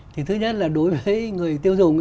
thì thứ nhất là đối với người tiêu dùng